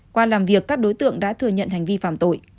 qua làm việc các đối tượng đã thừa nhận hành vi phạm tội